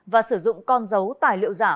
và sử dụng con dấu tài liệu giả